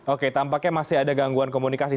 oke tampaknya masih ada gangguan komunikasi